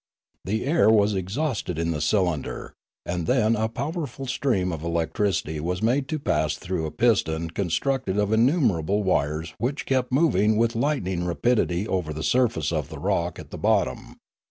The air was exhausted in the cylinder, and then a powerful stream of electricity was made to pass through a piston constructed of innumerable wires which kept moving with lightning rapidity over the surface of the rock at Leomarie 91 the bottom.